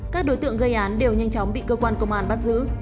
các đối tượng gây án đều nhanh chóng bị cơ quan công an bắt giữ